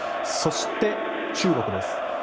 そして、中国です。